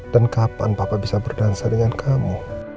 dan kapan papa bisa berdansa dengan kamu